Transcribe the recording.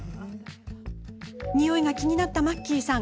においが気になったマッキーさん。